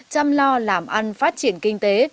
chăm lo làm ăn phát triển kinh tế